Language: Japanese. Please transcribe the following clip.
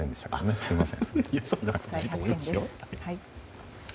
すみません。